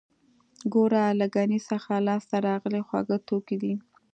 ګوړه له ګني څخه لاسته راغلی خوږ توکی دی